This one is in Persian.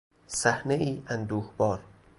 صحنهای اندوهبار